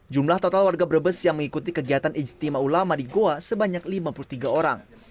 jumlah total warga brebes yang mengikuti kegiatan ijtima ulama di goa sebanyak lima puluh tiga orang